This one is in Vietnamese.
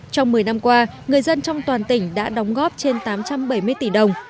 trong một mươi năm qua người dân trong toàn tỉnh đã đóng góp trên tám trăm bảy mươi tỷ đồng